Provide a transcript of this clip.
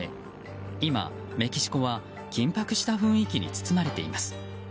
今、メキシコは緊迫した雰囲気に包まれています。